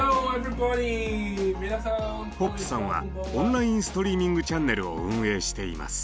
ポップさんはオンラインストリーミングチャンネルを運営しています。